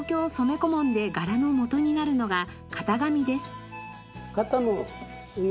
小紋で柄の元になるのが型紙です。